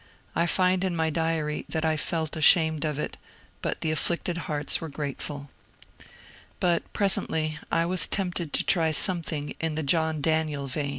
I find in mj diary that I '^felt ashamed of it," but the afflicted hearts were grateful But presently I was tempted to try something in the John Daniel vein.